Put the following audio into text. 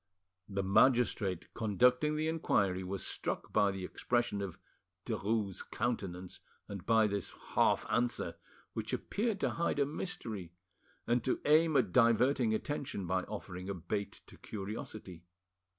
The magistrate conducting the inquiry was struck by the expression of Derues' countenance and by this half answer, which appeared to hide a mystery and to aim at diverting attention by offering a bait to curiosity.